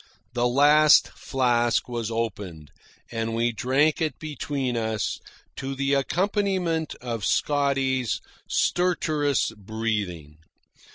The last flask was opened, and we drank it between us, to the accompaniment of Scotty's stertorous breathing.